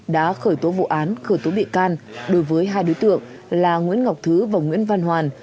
đã khởi tố vụ án khởi tố bị can đối với hai đối tượng là nguyễn ngọc thứ và nguyễn văn hoàn